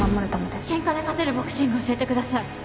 喧嘩で勝てるボクシング教えてください。